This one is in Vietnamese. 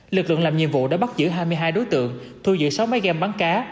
lực lượng làm nhiệm vụ đã bắt giữ hai mươi hai đối tượng thu giữ sáu máy gam bắn cá